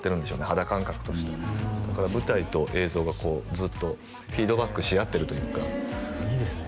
肌感覚としてだから舞台と映像がこうずっとフィードバックしあってるというかいいですね